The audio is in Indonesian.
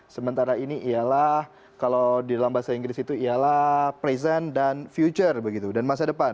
sementara ini ialah kalau di dalam bahasa inggris itu ialah present dan future begitu dan masa depan